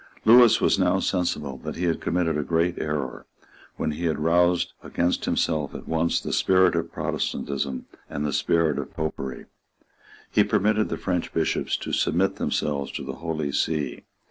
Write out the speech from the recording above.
Lewis was now sensible that he had committed a great error when he had roused against himself at once the spirit of Protestantism and the spirit of Popery. He permitted the French Bishops to submit themselves to the Holy See.